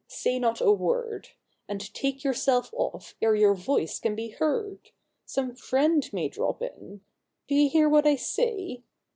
say not a word, And take yourself off ere your voice can be heard. Some friend may drop in ! Do you hear what I say?